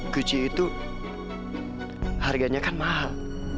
guci itu harganya kan mahal